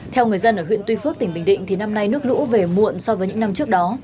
theo người dân ở huyện tuy phước tỉnh bình định thì năm nay nước lũ về muộn so với những năm trước đó